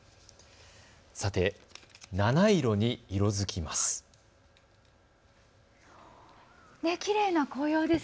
七色に色づきます。